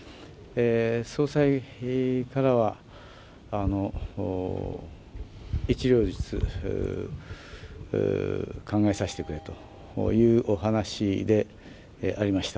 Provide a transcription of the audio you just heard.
総裁からは、一両日考えさせてくれというお話でありました。